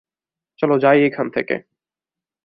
চলো যাই এখান থেকে!